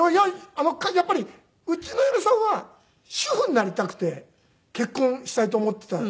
いややっぱりうちの嫁さんは主婦になりたくて結婚したいと思っていた人なんで。